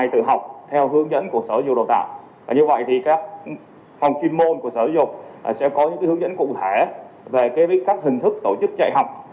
trường học trực tiếp sẽ có những hướng dẫn cụ thể về các hình thức tổ chức dạy học